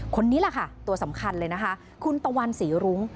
คนนี้แหละค่ะตัวสำคัญเลยนะคะคุณตะวันศรีรุ้ง